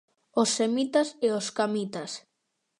Os semitas e os camitas.